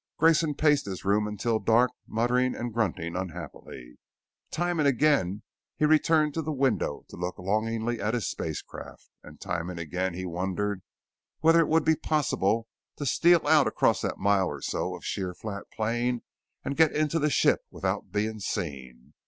Grayson paced his room until dark muttering and grunting unhappily. Time and again he returned to the window to look longingly at his spacecraft, and time and again he wondered whether it would be possible to steal out across that mile or so of sheer flat plain and get into the ship without being seen.